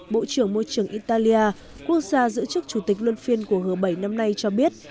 bộ trưởng môi trường italia quốc gia giữ chức chủ tịch luân phiên của g bảy năm nay cho biết